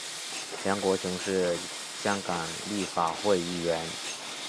梁国雄是香港立法会议员。